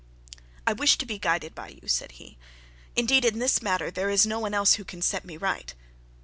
'I wish to be guided by you,' said he; 'and, indeed, in this matter, there is no one else who can set me right.'